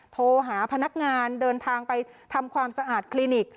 โทรหาพนักงานเดินทางไปทำความสะอาดคลินิก